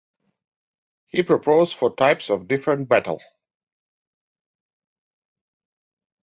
He proposes four types of different battle.